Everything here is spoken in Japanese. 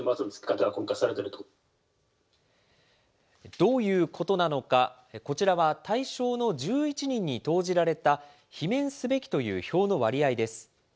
どういうことなのか、こちらは対象の１１人に投じられた罷免すべきという票の割合です。